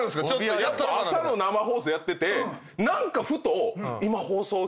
朝の生放送やってて何かふと。